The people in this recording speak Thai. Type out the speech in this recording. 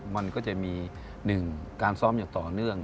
มันก็จะมีหนึ่งการซ้อมอย่างต่อเนื่อง